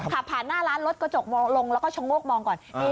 ขับผ่านหน้าร้านรถกระจกมองลงแล้วก็ชะโงกมองก่อน